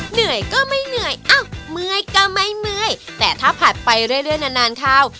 เหนื่อยก็ไม่เหนื่อยอ้าวเมื่อยก็ไม่เมื่อยแต่ถ้าผัดไปเรื่อยนานข้าว